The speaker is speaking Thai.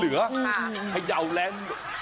เริ่มใหม่